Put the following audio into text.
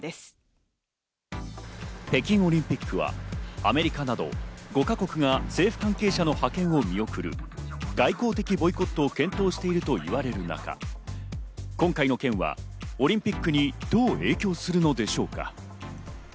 北京オリンピックはアメリカなど５か国が政府関係者の派遣を見送る外交的ボイコットを検討していると言われる中、今回の件はオリンピックにどう影響するのでしょうか。